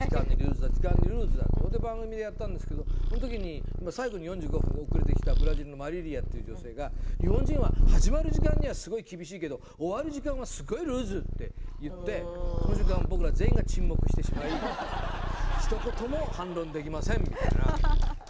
時間にルーズだってそれで番組でやったんですけどその時に最後に４５分遅れて来たブラジルのマリリアって女性が日本人は始まる時間にはすごい厳しいけど、終わる時間はすごいルーズ！って言ってその瞬間、僕ら全員が沈黙をしてしまい、ひと言も反論できません、みたいな。